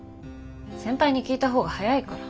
先輩に聞いた方が早いから。